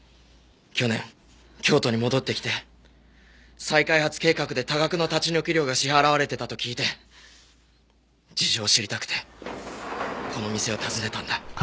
去年京都に戻ってきて再開発計画で多額の立ち退き料が支払われてたと聞いて事情を知りたくてこの店を訪ねたんだ。